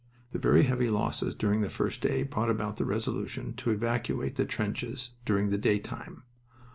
The very heavy losses during the first day brought about the resolution to evacuate the trenches during the daytime.